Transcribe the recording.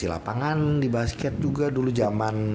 mc lapangan di basket juga dulu jaman